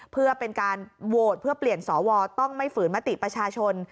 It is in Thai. เพื่อเป็นการโหวตเพื่อเปลี่ยนสวต้องไม่ฝืนมติประชาชน